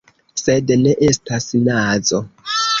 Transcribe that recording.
Sed ne estas nazo.